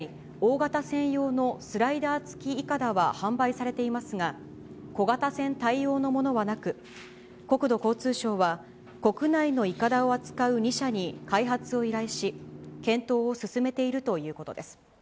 現在、大型専用のスライダー付きいかだは販売されていますが、小型船対応のものはなく、国土交通省は、国内のいかだを扱う２社に、開発を依頼し、検討を進めているということです。